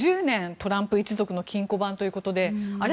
トランプ一族の金庫番ということであれ